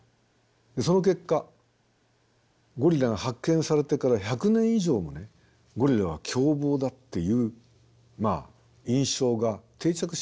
その結果ゴリラが発見されてから１００年以上もねゴリラは凶暴だっていう印象が定着しちゃったんです。